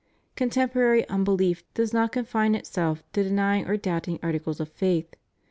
Contemporary unbelief does not confine itself to denying or doubting articles of faith.